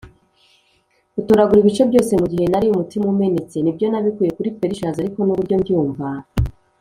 "utoragura ibice byose mugihe nari umutima umenetse." nibyo, nabikuye kuri perishers ariko nuburyo mbyumva.